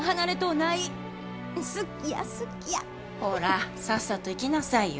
ほらさっさと行きなさいよ。